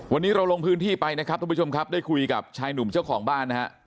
วันนี้เราลงพื้นที่ไปนะครับทุกผู้ชมครับได้คุยกับชายหนุ่มเจ้าของบ้านนะฮะ